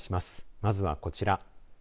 まずはこちら。